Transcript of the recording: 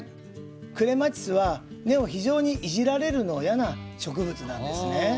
クレマチスは根を非常にいじられるのを嫌な植物なんですね。